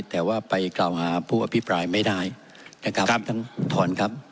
แต่ว่าไปกล่าวหาผู้อภิปรายไม่ได้นะครับท่านถอนครับ